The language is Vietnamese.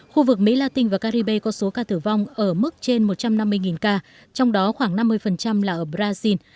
khu vực mỹ latin và caribe có số ca tử vong ở mức trên một trăm năm mươi ca trong đó khoảng năm mươi là ở brazil